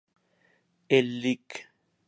El lic.